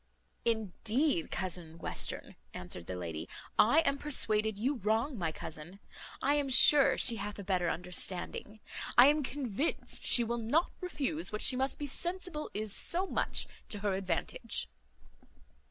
"Indeed, cousin Western," answered the lady, "I am persuaded you wrong my cousin. I am sure she hath a better understanding. I am convinced she will not refuse what she must be sensible is so much to her advantage."